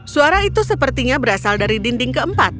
suara itu sepertinya berasal dari dinding keempat